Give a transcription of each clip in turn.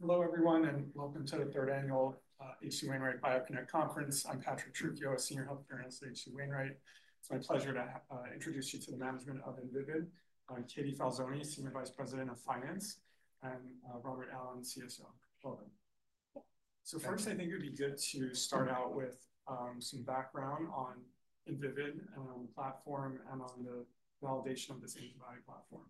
Hello, everyone, and Welcome to the third annual H.C. Wainwright BioConnect Conference. I'm Patrick Trucchio, Senior Health Care Analyst at H.C. Wainwright It's my pleasure to introduce you to the management of Invivyd, Katie Falzone, Senior Vice President of Finance, and Robert Allen, CSO. Welcome. First, I think it would be good to start out with some background on Invivyd and on the platform and on the validation of this antibody platform.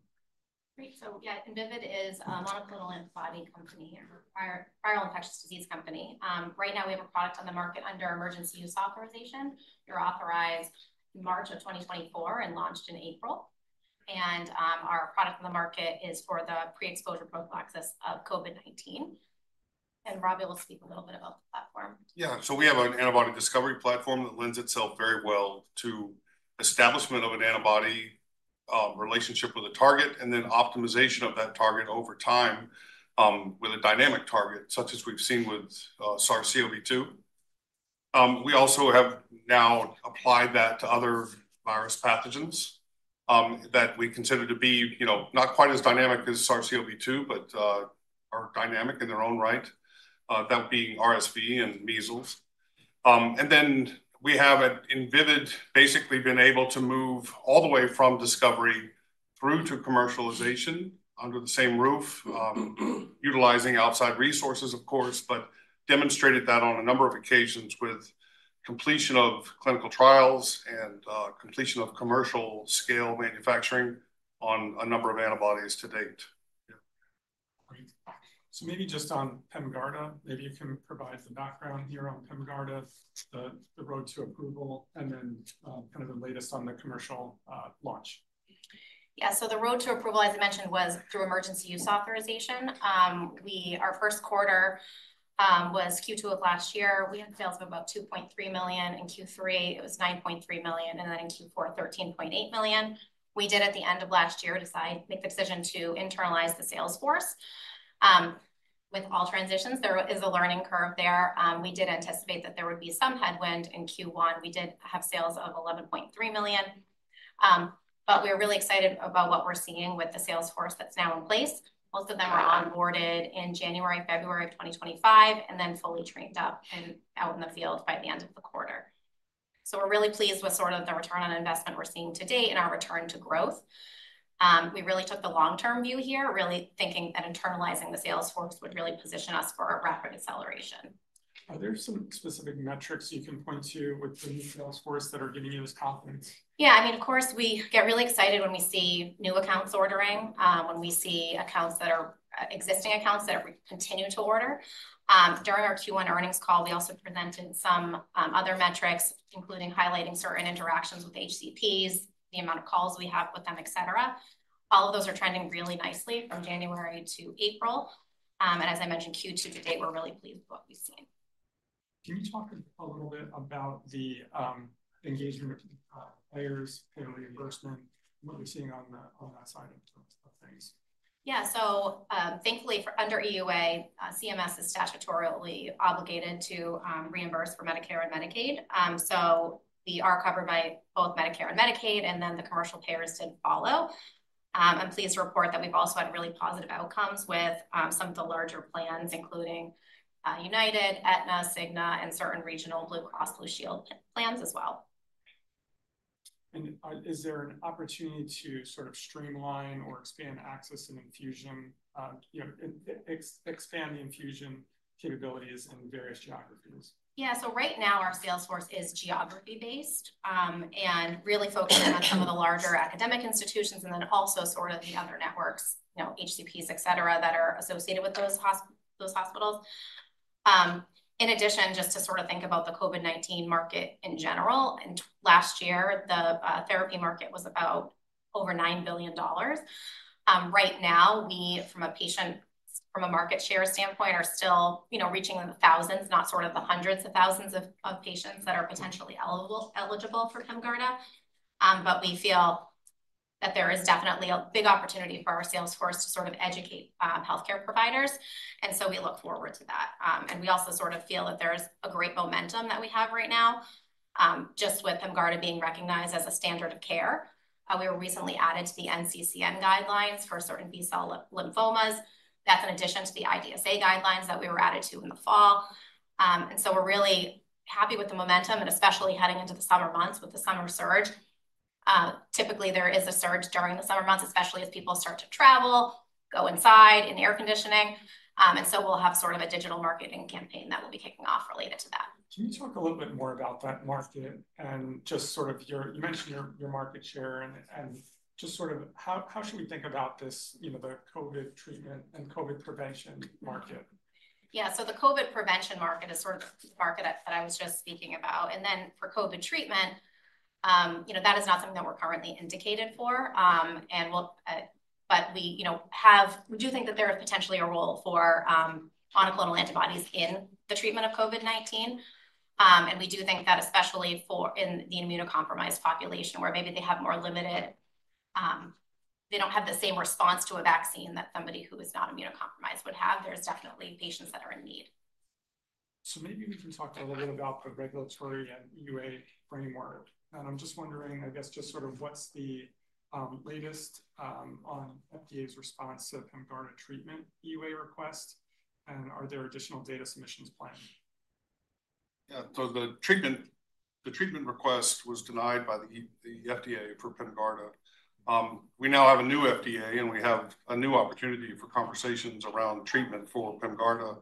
Great. Yeah, Invivyd is a monoclonal antibody company and viral infectious disease company. Right now, we have a product on the market under emergency use authorization. We were authorized in March of 2024 and launched in April. Our product on the market is for the pre-exposure prophylaxis of COVID-19. Robbie will speak a little bit about the platform. Yeah. So we have an antibody discovery platform that lends itself very well to establishment of an antibody relationship with a target and then optimization of that target over time with a dynamic target, such as we've seen with SARS-CoV-2. We also have now applied that to other virus pathogens that we consider to be not quite as dynamic as SARS-CoV-2, but are dynamic in their own right, that being RSV and measles. We have at Invivyd basically been able to move all the way from discovery through to commercialization under the same roof, utilizing outside resources, of course, but demonstrated that on a number of occasions with completion of clinical trials and completion of commercial scale manufacturing on a number of antibodies to date. Great. Maybe just on PEMGARDA, maybe you can provide the background here on PEMGARDA, the road to approval, and then kind of the latest on the commercial launch. Yeah. So the road to approval, as I mentioned, was through emergency use authorization. Our first quarter was Q2 of last year. We had sales of about $2.3 million. In Q3, it was $9.3 million. In Q4, $13.8 million. We did, at the end of last year, decide to make the decision to internalize the sales force. With all transitions, there is a learning curve there. We did anticipate that there would be some headwind. In Q1, we did have sales of $11.3 million. We are really excited about what we are seeing with the sales force that is now in place. Most of them are onboarded in January, February of 2025, and then fully trained up and out in the field by the end of the quarter. We are really pleased with sort of the return on investment we are seeing to date and our return to growth. We really took the long-term view here, really thinking that internalizing the sales force would really position us for a rapid acceleration. Are there some specific metrics you can point to within the sales force that are giving you this confidence? Yeah. I mean, of course, we get really excited when we see new accounts ordering, when we see existing accounts that continue to order. During our Q1 earnings call, we also presented some other metrics, including highlighting certain interactions with HCPs, the amount of calls we have with them, et cetera. All of those are trending really nicely from January to April. As I mentioned, Q2 to date, we're really pleased with what we've seen. Can you talk a little bit about the engagement of payers, payer reimbursement, what you're seeing on that side of things? Yeah. Thankfully, under EUA, CMS is statutorily obligated to reimburse for Medicare and Medicaid. We are covered by both Medicare and Medicaid, and then the commercial payers did follow. I'm pleased to report that we've also had really positive outcomes with some of the larger plans, including UnitedHealthcare, Aetna, Cigna, and certain regional Blue Cross Blue Shield plans as well. Is there an opportunity to sort of streamline or expand access and infusion, expand the infusion capabilities in various geographies? Yeah. Right now, our sales force is geography-based and really focusing on some of the larger academic institutions and then also sort of the other networks, HCPs, et cetera, that are associated with those hospitals. In addition, just to sort of think about the COVID-19 market in general, last year, the therapy market was about over $9 billion. Right now, we, from a market share standpoint, are still reaching the thousands, not sort of the hundreds of thousands of patients that are potentially eligible for PEMGARDA. We feel that there is definitely a big opportunity for our sales force to sort of educate healthcare providers. We look forward to that. We also sort of feel that there's a great momentum that we have right now, just with PEMGARDA being recognized as a standard of care. We were recently added to the NCCN guidelines for certain B-cell lymphomas. That is in addition to the IDSA guidelines that we were added to in the fall. We are really happy with the momentum, and especially heading into the summer months with the summer surge. Typically, there is a surge during the summer months, especially as people start to travel, go inside, and air conditioning. We will have sort of a digital marketing campaign that will be kicking off related to that. Can you talk a little bit more about that market and just sort of your, you mentioned your market share, and just sort of how should we think about this, the COVID treatment and COVID prevention market? Yeah. The COVID prevention market is sort of the market that I was just speaking about. For COVID treatment, that is not something that we're currently indicated for. We do think that there is potentially a role for monoclonal antibodies in the treatment of COVID-19. We do think that especially in the immunocompromised population, where maybe they have more limited, they don't have the same response to a vaccine that somebody who is not immunocompromised would have, there's definitely patients that are in need. Maybe we can talk a little bit about the regulatory and EUA framework. I'm just wondering, I guess, just sort of what's the latest on FDA's response to PEMGARDA treatment EUA request? Are there additional data submissions planned? Yeah. So the treatment request was denied by the FDA for PEMGARDA. We now have a new FDA, and we have a new opportunity for conversations around treatment for PEMGARDA.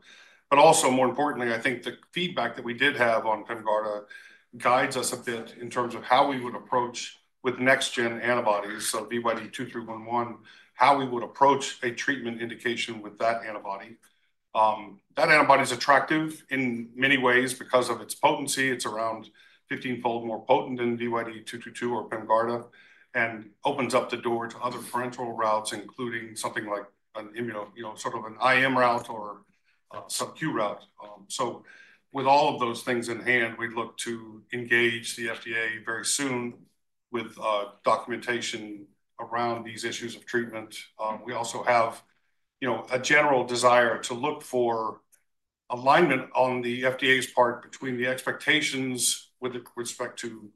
Also, more importantly, I think the feedback that we did have on PEMGARDA guides us a bit in terms of how we would approach with next-gen antibodies, so VYD2311, how we would approach a treatment indication with that antibody. That antibody is attractive in many ways because of its potency. It's around 15-fold more potent than VYD232 or PEMGARDA and opens up the door to other parenteral routes, including something like sort of an IM route or sub-Q route. With all of those things in hand, we'd look to engage the FDA very soon with documentation around these issues of treatment. We also have a general desire to look for alignment on the FDA's part between the expectations with respect to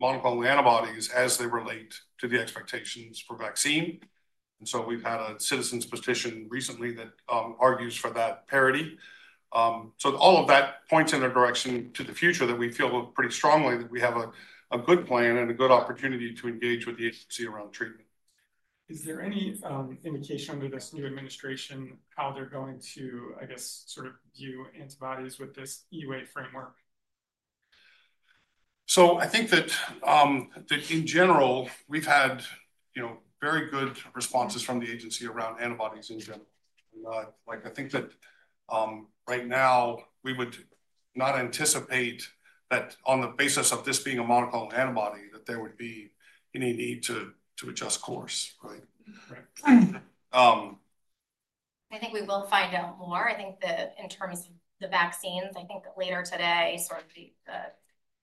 monoclonal antibodies as they relate to the expectations for vaccine. We have had a citizen's petition recently that argues for that parity. All of that points in a direction to the future that we feel pretty strongly that we have a good plan and a good opportunity to engage with the agency around treatment. Is there any indication under this new administration how they're going to, I guess, sort of view antibodies with this EUA framework? I think that in general, we've had very good responses from the agency around antibodies in general. I think that right now, we would not anticipate that on the basis of this being a monoclonal antibody, that there would be any need to adjust course. I think we will find out more. I think in terms of the vaccines, I think later today, sort of the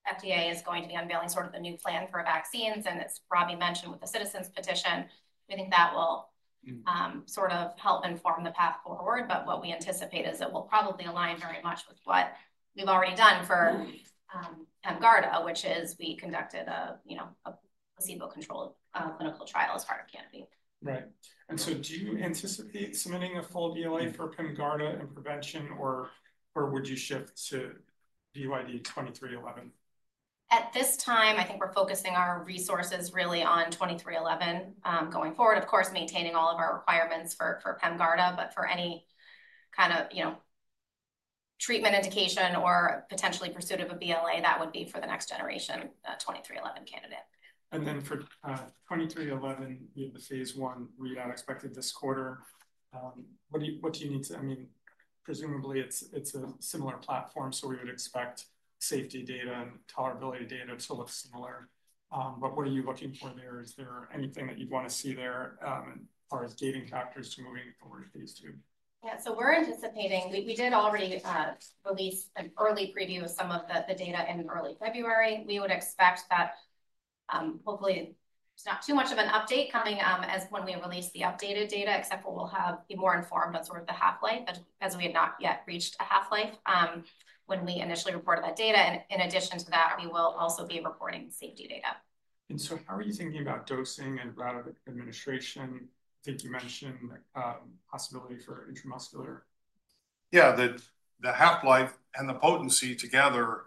FDA is going to be unveiling sort of the new plan for vaccines. As Robbie mentioned with the citizen's petition, we think that will sort of help inform the path forward. What we anticipate is it will probably align very much with what we've already done for PEMGARDA, which is we conducted a placebo-controlled clinical trial as part of Canopy. Right. And so do you anticipate submitting a full EUA for PEMGARDA in prevention, or would you shift to VYD2311? At this time, I think we're focusing our resources really on 2311 going forward, of course, maintaining all of our requirements for PEMGARDA. For any kind of treatment indication or potentially pursuit of a BLA, that would be for the next generation 2311 candidate. For 2311, we have the phase one readout expected this quarter. What do you need to, I mean, presumably, it's a similar platform, so we would expect safety data and tolerability data to look similar. What are you looking for there? Is there anything that you'd want to see there as far as gating factors to moving forward phase two? Yeah. We are anticipating, we did already release an early preview of some of the data in early February. We would expect that hopefully, it is not too much of an update coming as when we release the updated data, except we will be more informed on sort of the half-life as we have not yet reached a half-life when we initially reported that data. In addition to that, we will also be reporting safety data. How are you thinking about dosing and route of administration? I think you mentioned possibility for intramuscular. Yeah. The half-life and the potency together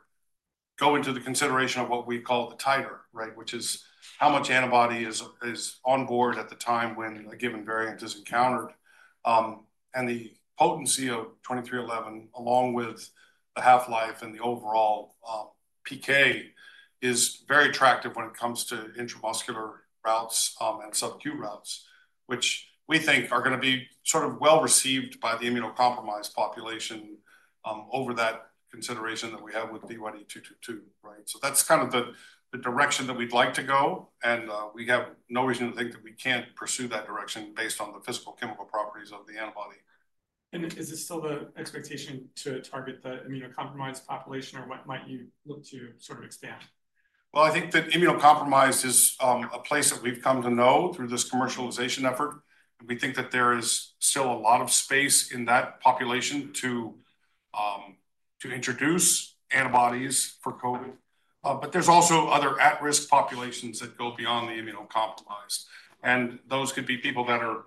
go into the consideration of what we call the titer, right, which is how much antibody is on board at the time when a given variant is encountered. And the potency of 2311, along with the half-life and the overall PK, is very attractive when it comes to intramuscular routes and sub-Q routes, which we think are going to be sort of well received by the immunocompromised population over that consideration that we have with VYD232, right? That is kind of the direction that we'd like to go. We have no reason to think that we can't pursue that direction based on the physical chemical properties of the antibody. Is it still the expectation to target the immunocompromised population, or what might you look to sort of expand? I think that immunocompromised is a place that we've come to know through this commercialization effort. We think that there is still a lot of space in that population to introduce antibodies for COVID. There are also other at-risk populations that go beyond the immunocompromised. Those could be people that are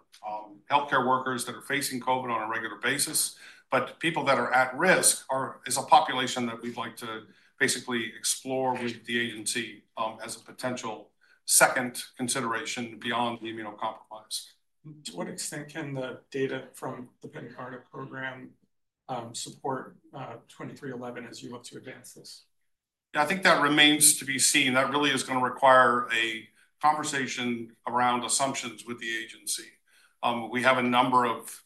healthcare workers that are facing COVID on a regular basis. People that are at risk is a population that we'd like to basically explore with the agency as a potential second consideration beyond the immunocompromised. To what extent can the data from the PEMGARDA program support 2311 as you look to advance this? Yeah. I think that remains to be seen. That really is going to require a conversation around assumptions with the agency. We have a number of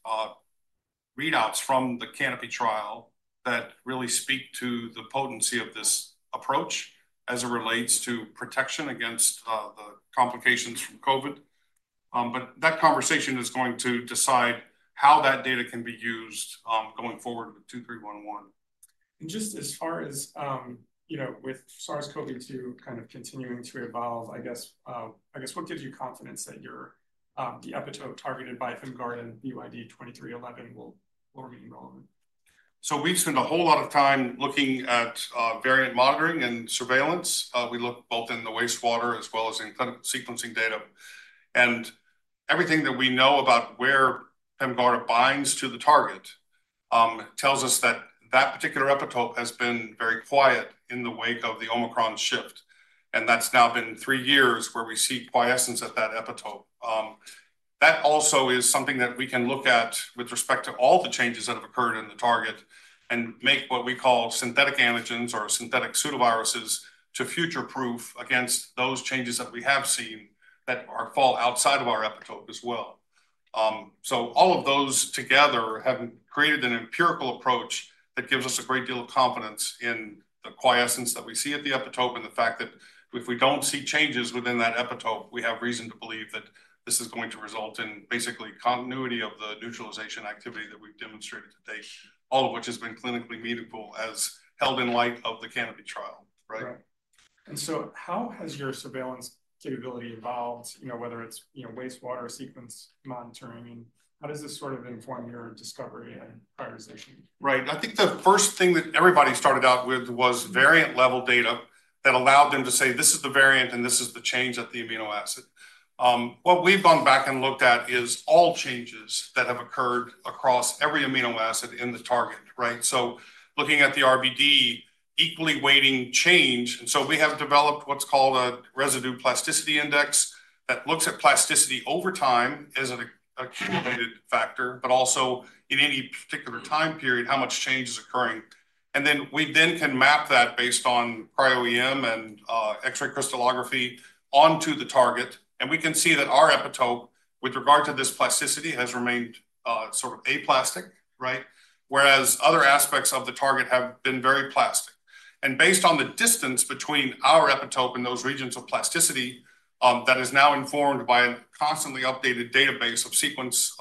readouts from the Canopy trial that really speak to the potency of this approach as it relates to protection against the complications from COVID. That conversation is going to decide how that data can be used going forward with 2311. Just as far as with SARS-CoV-2 kind of continuing to evolve, I guess, what gives you confidence that the epitope targeted by PEMGARDA and VYD2311 will remain relevant? We've spent a whole lot of time looking at variant monitoring and surveillance. We look both in the wastewater as well as in clinical sequencing data. Everything that we know about where PEMGARDA binds to the target tells us that that particular epitope has been very quiet in the wake of the Omicron shift. That has now been three years where we see quiescence at that epitope. That also is something that we can look at with respect to all the changes that have occurred in the target and make what we call synthetic antigens or synthetic pseudoviruses to future-proof against those changes that we have seen that fall outside of our epitope as well. All of those together have created an empirical approach that gives us a great deal of confidence in the quiescence that we see at the epitope and the fact that if we do not see changes within that epitope, we have reason to believe that this is going to result in basically continuity of the neutralization activity that we have demonstrated to date, all of which has been clinically meaningful as held in light of the Canopy trial, right? Right. And so how has your surveillance capability evolved, whether it's wastewater sequence monitoring? How does this sort of inform your discovery and prioritization? Right. I think the first thing that everybody started out with was variant-level data that allowed them to say, "This is the variant, and this is the change at the amino acid." What we've gone back and looked at is all changes that have occurred across every amino acid in the target, right? Looking at the RBD equally-weighting change. We have developed what's called a residue plasticity index that looks at plasticity over time as an accumulated factor, but also in any particular time period, how much change is occurring. We then can map that based on cryo-EM and X-ray crystallography onto the target. We can see that our epitope with regard to this plasticity has remained sort of aplastic, right, whereas other aspects of the target have been very plastic. Based on the distance between our epitope and those regions of plasticity that is now informed by a constantly updated database of sequence,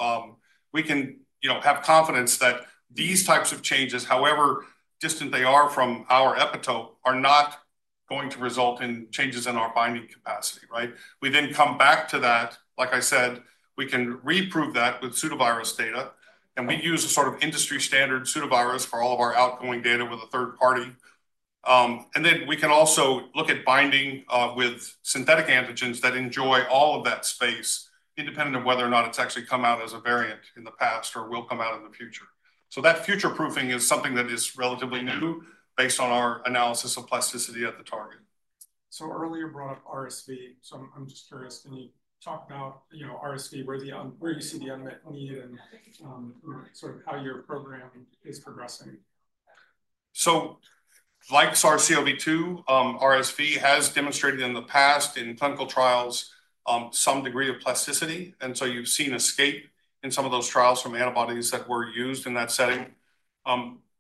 we can have confidence that these types of changes, however distant they are from our epitope, are not going to result in changes in our binding capacity, right? We then come back to that. Like I said, we can reprove that with pseudovirus data. We use a sort of industry standard pseudovirus for all of our outgoing data with a third party. We can also look at binding with synthetic antigens that enjoy all of that space, independent of whether or not it's actually come out as a variant in the past or will come out in the future. That future-proofing is something that is relatively new based on our analysis of plasticity at the target. Earlier brought up RSV. I'm just curious, can you talk about RSV, where you see the unmet need and sort of how your program is progressing? Like SARS-CoV-2, RSV has demonstrated in the past in clinical trials some degree of plasticity. You have seen escape in some of those trials from antibodies that were used in that setting.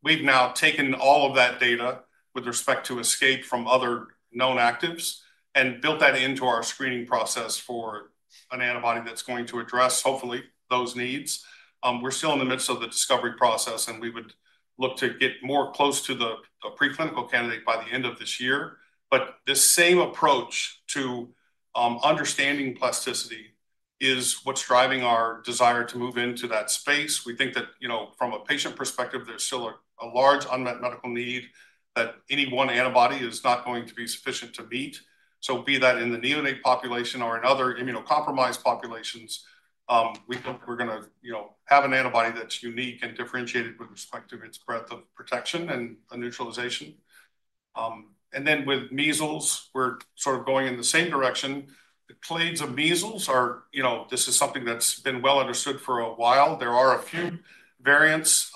We have now taken all of that data with respect to escape from other known actives and built that into our screening process for an antibody that is going to address, hopefully, those needs. We are still in the midst of the discovery process, and we would look to get more close to the preclinical candidate by the end of this year. This same approach to understanding plasticity is what is driving our desire to move into that space. We think that from a patient perspective, there is still a large unmet medical need that any one antibody is not going to be sufficient to meet. Be that in the neonate population or in other immunocompromised populations, we think we're going to have an antibody that's unique and differentiated with respect to its breadth of protection and neutralization. With measles, we're sort of going in the same direction. The clades of measles are, this is something that's been well understood for a while. There are a few variants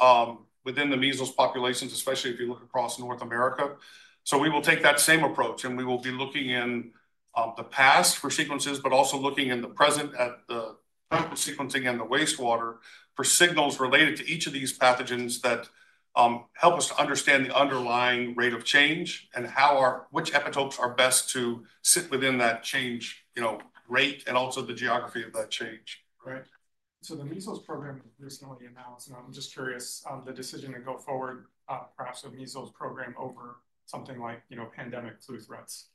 within the measles populations, especially if you look across North America. We will take that same approach, and we will be looking in the past for sequences, but also looking in the present at the clinical sequencing and the wastewater for signals related to each of these pathogens that help us to understand the underlying rate of change and which epitopes are best to sit within that change rate and also the geography of that change. Right. The measles program was recently announced. I'm just curious on the decision to go forward, perhaps a measles program over something like pandemic flu threats.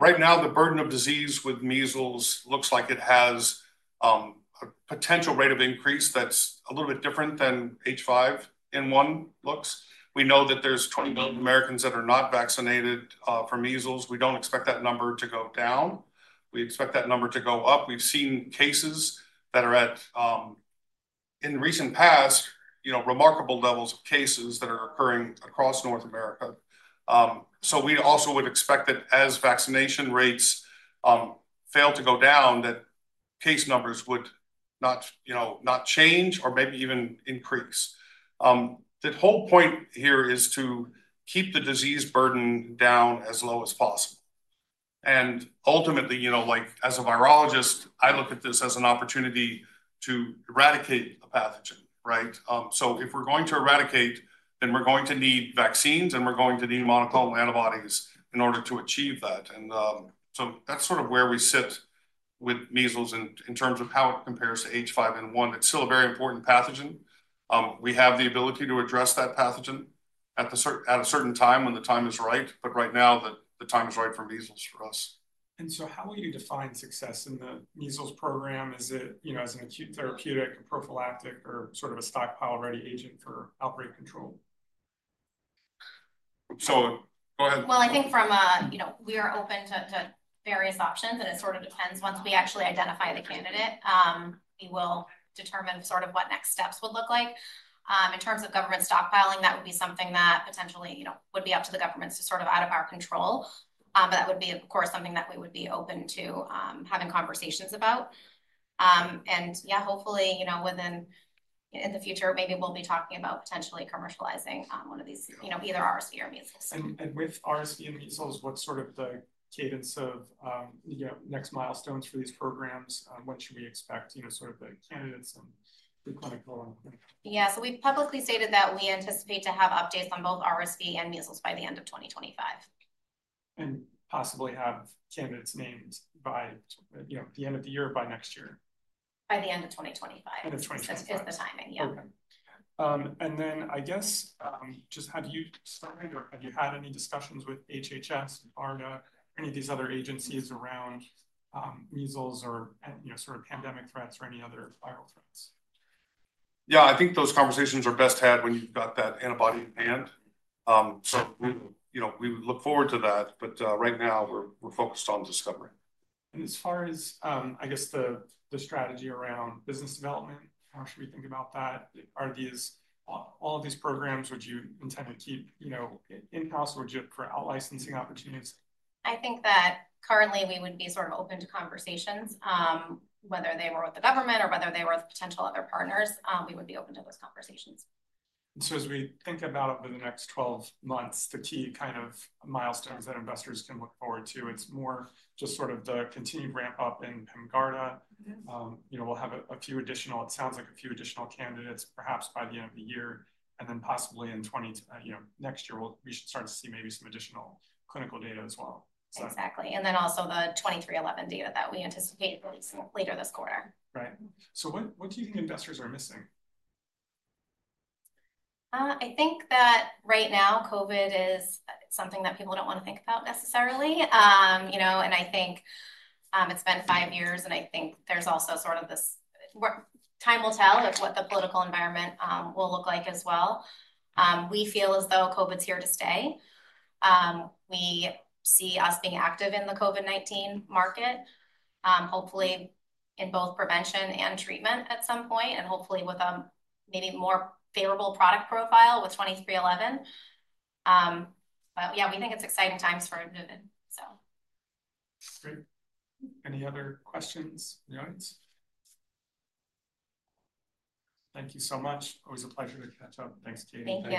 Right now, the burden of disease with measles looks like it has a potential rate of increase that's a little bit different than H5N1 looks. We know that there's 20 million Americans that are not vaccinated for measles. We don't expect that number to go down. We expect that number to go up. We've seen cases that are at, in recent past, remarkable levels of cases that are occurring across North America. We also would expect that as vaccination rates fail to go down, that case numbers would not change or maybe even increase. The whole point here is to keep the disease burden down as low as possible. Ultimately, as a virologist, I look at this as an opportunity to eradicate a pathogen, right? If we're going to eradicate, then we're going to need vaccines, and we're going to need monoclonal antibodies in order to achieve that. That's sort of where we sit with measles in terms of how it compares to H5N1. It's still a very important pathogen. We have the ability to address that pathogen at a certain time when the time is right. Right now, the time is right for measles for us. How will you define success in the measles program? Is it as an acute therapeutic, a prophylactic, or sort of a stockpile-ready agent for outbreak control? Go ahead. I think we are open to various options. It sort of depends. Once we actually identify the candidate, we will determine sort of what next steps would look like. In terms of government stockpiling, that would be something that potentially would be up to the governments, sort of out of our control. That would be, of course, something that we would be open to having conversations about. Yeah, hopefully, within the future, maybe we'll be talking about potentially commercializing one of these, either RSV or measles. With RSV and measles, what's sort of the cadence of next milestones for these programs? When should we expect sort of the candidates and the clinical? Yeah. So we've publicly stated that we anticipate to have updates on both RSV and measles by the end of 2025. Possibly have candidates named by the end of the year or by next year? By the end of 2025. End of 2025. Is the timing, yeah? Okay. I guess just have you started or have you had any discussions with HHS, ARNA, any of these other agencies around measles or sort of pandemic threats or any other viral threats? Yeah. I think those conversations are best had when you've got that antibody in hand. We would look forward to that. Right now, we're focused on discovery. As far as, I guess, the strategy around business development, how should we think about that? Are all of these programs, would you intend to keep in-house or would you look for out-licensing opportunities? I think that currently, we would be sort of open to conversations, whether they were with the government or whether they were with potential other partners. We would be open to those conversations. As we think about over the next 12 months, the key kind of milestones that investors can look forward to, it's more just sort of the continued ramp-up in PEMGARDA. We'll have a few additional, it sounds like a few additional candidates perhaps by the end of the year. Then possibly in next year, we should start to see maybe some additional clinical data as well. Exactly. Also the 2311 data that we anticipate releasing later this quarter. Right. So what do you think investors are missing? I think that right now, COVID is something that people don't want to think about necessarily. I think it's been five years, and I think there's also sort of this time will tell of what the political environment will look like as well. We feel as though COVID's here to stay. We see us being active in the COVID-19 market, hopefully in both prevention and treatment at some point, and hopefully with a maybe more favorable product profile with 2311. Yeah, we think it's exciting times for Invivyd, so. Great. Any other questions? Any audience? Thank you so much. Always a pleasure to catch up. Thanks, Katie. Thank you.